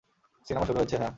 Cinema শুরু হয়েছে, - হ্যাঁ।